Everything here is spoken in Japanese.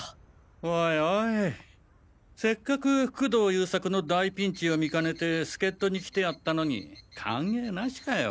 おいおいせっかく工藤優作の大ピンチを見かねて助っ人に来てやったのに歓迎なしかよ？